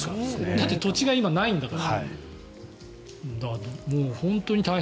だって今、土地がないんだから。